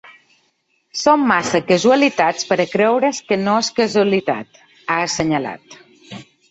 Són massa casualitats per a creure’s que no és casualitat, ha assenyalat.